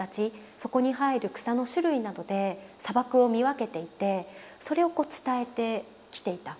そこに生える草の種類などで砂漠を見分けていてそれを伝えてきていた。